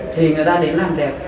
thì người ta đến làm đẹp